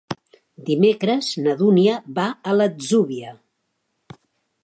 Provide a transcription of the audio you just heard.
Dimecres na Dúnia va a l'Atzúbia.